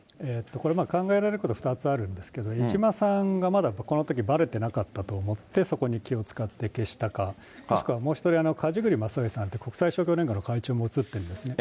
これ、考えられることは２つあるんですけど、江島さんがこのときばれてなかったと思って、そこに気を遣って消したか、もしくはもう１人、梶栗正義さんって、国際勝共連合の会長も写ってるんですね。